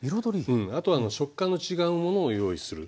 あとは食感の違うものを用意する。